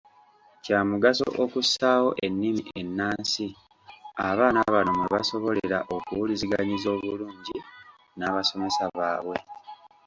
Kya mugaso okussaawo ennimi ennansi abaana bano mwe basobolera okuwuliziganyiza obulungi n’abasomesa baabwe.